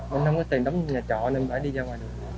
mình không có tiền đóng nhà trọ nên phải đi ra ngoài được